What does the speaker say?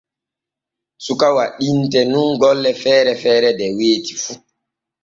Suka o waɗinte nun golle feere feere de weeti fu.